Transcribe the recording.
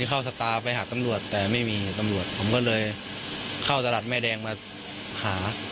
เข้าสตาร์ไปหาตำรวจแต่ไม่มีตำรวจผมก็เลยเข้าตลาดแม่แดงมาหา